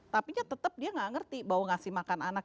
tapi dia tetap nggak ngerti bahwa ngasih makan anak